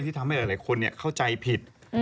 ที่ทำให้หลายคนเข้าใจผิด